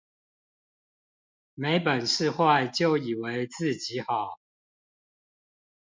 沒本事壞就以為自己好